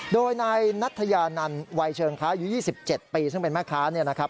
โดยนายนัทยานันวัยเชิงค้าอายุ๒๗ปีซึ่งเป็นแม่ค้าเนี่ยนะครับ